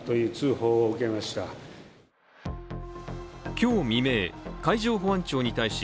今日未明、海上保安庁に対し